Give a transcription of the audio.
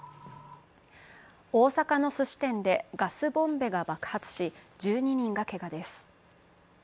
大阪のすし店でガスボンベが爆発し、１２人がけがです。